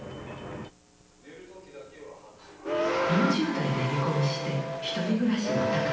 ４０代で離婚して１人暮らしのＴＡＫＡさん。